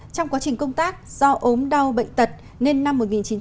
trong quá trình công tác do ốm đau bệnh tật nên năm một nghìn chín trăm tám mươi ba